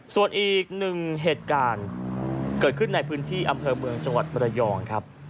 ส่วนอีกหนึ่งเหตุการณ์เกิดขึ้นในพื้นที่อำเภอเมืองจังหวัดมรยองครับ